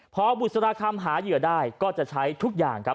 พอบุษราคำหาเหยื่อได้ก็จะใช้ทุกอย่างครับ